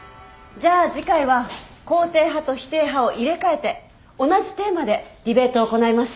じゃあ次回は肯定派と否定派を入れ替えて同じテーマでディベートを行います。